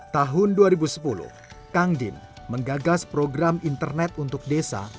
tahun dua ribu sepuluh kang din menggagas program internet untuk desa